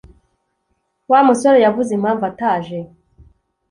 Wa musore yavuze impamvu ataje?